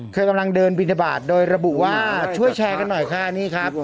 กำลังเดินบินทบาทโดยระบุว่าช่วยแชร์กันหน่อยค่ะนี่ครับ